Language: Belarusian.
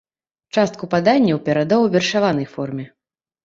Частку паданняў перадаў у вершаванай форме.